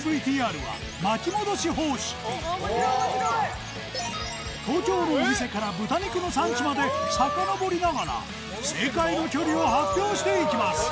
この東京のお店から豚肉の産地までさかのぼりながら正解の距離を発表していきます